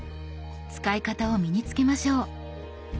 使い方を身に付けましょう。